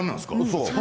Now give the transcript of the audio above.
そう。